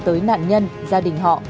tới nạn nhân gia đình họ